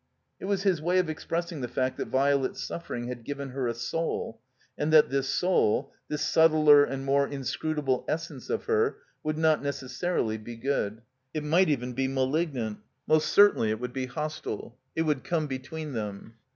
It was his way of expressing the fact that Violet's suffering had given her a sotd, and that this sotd, this subtler and more inscrutable essence of her, would not necessarily be good. It might even be malignant. Most certainly it would be hostile. It would come between them.